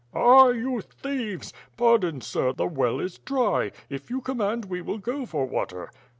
"Ah! you thieves!" "Pardon, sir, the well is dry. If you command, we will go for water."